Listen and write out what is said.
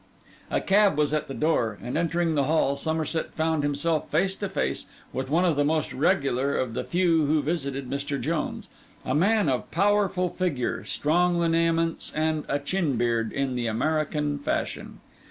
A cab was at the door; and entering the hall, Somerset found himself face to face with one of the most regular of the few who visited Mr. Jones: a man of powerful figure, strong lineaments, and a chin beard in the American fashion.